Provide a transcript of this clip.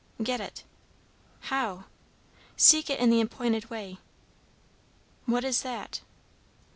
"Get it." "How?" "Seek it in the appointed way." "What is that?"